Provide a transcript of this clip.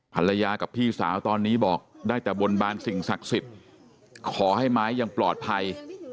ภรรยากับพี่สาวตอนนี้บอกได้แต่บนบานสิ่งศักดิ์สิทธิ์ขอให้ไม้ยังปลอดภัย